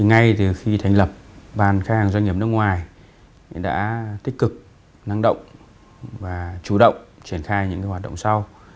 ngay từ khi thành lập bàn khách hàng doanh nghiệp nước ngoài đã tích cực năng động và chủ động triển khai những hoạt động sau